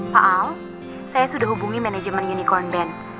pak al saya sudah hubungi manajemen unicorn band